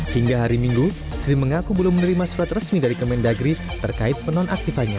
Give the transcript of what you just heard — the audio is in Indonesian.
hingga hari minggu sri mengaku belum menerima surat resmi dari kemendagri terkait penonaktifannya